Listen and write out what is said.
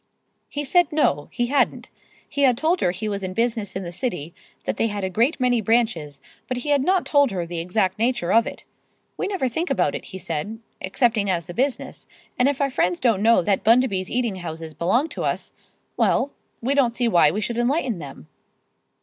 He said no, he hadn't. He had told her he was in business in the city, that they had a great many branches, but he had not told her the exact nature of it. 'We never think about it,' he said 'excepting as the business; and if our friends don't know that Bundaby's Eating Houses belong to us, well, we don't see why we should enlighten them.